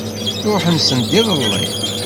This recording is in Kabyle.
Ṛuḥen send iḍelli.